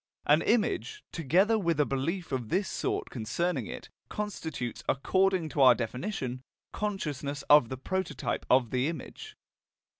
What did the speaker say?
An image, together with a belief of this sort concerning it, constitutes, according to our definition, consciousness of the prototype of the image.